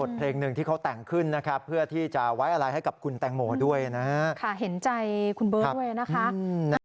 เธอคือคนเดียวในใจฉันคือเธอ